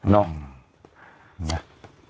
เนี่ย